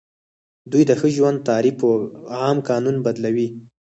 دوی د ښه ژوند تعریف په عام قانون بدلوي.